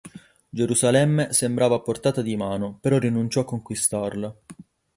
Gerusalemme sembrava a portata di mano, però rinunciò a conquistarla.